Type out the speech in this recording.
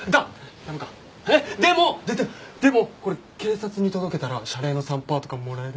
でででもこれ警察に届けたら謝礼の３パーとかもらえる？